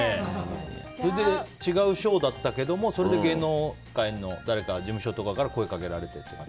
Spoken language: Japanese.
それで違う賞だったけどそれで芸能界の誰か事務所とかから声かけられてという？